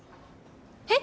えっ？